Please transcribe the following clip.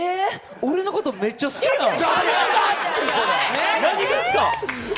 俺のことめっちゃ好きなん？